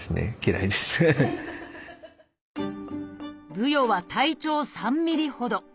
ブヨは体長３ミリほど。